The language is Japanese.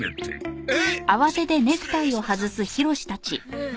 ああ。